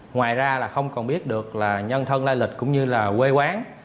ngoài ra là không còn biết được là nhân thân lai lịch cũng như là quê quán